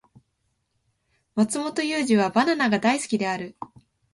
マツモトユウジはバナナが大好きである